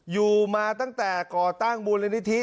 อยู่มาตั้งแต่ก่อตั้งมูลนิธิ